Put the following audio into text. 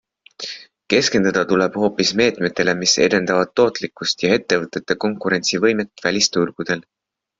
Keskenduda tuleb hoopis meetmetele, mis edendavad tootlikkust ja ettevõtete konkurentsivõimet välisturgudel.